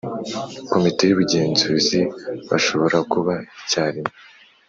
Komite y ubugenzuzi bashobora kuba icyarimwe